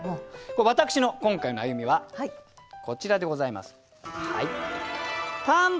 私の今回の歩みはこちらでございます。